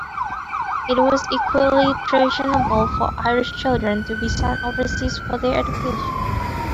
It was equally treasonable for Irish children to be sent overseas for their education.